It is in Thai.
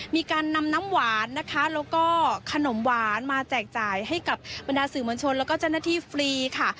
มีการนำน้ำหวานนะคะแล้วก็ขนมหวานมาแจกจ่ายให้กับบรรดาสื่อมวลชนแล้วก็เจ้าหน้าที่ฟรีค่ะ